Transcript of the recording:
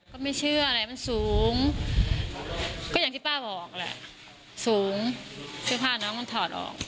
ก็ไม่เชื่ออะไรมันสูงก็อย่างที่ป้าบอกแหละสูงเสื้อผ้าน้องมันถอดออก